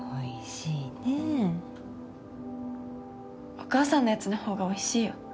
お母さんのやつの方がおいしいよ。